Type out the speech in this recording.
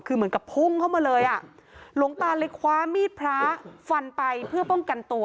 คือเหมือนกับพุ่งเข้ามาเลยอ่ะหลวงตาเลยคว้ามีดพระฟันไปเพื่อป้องกันตัว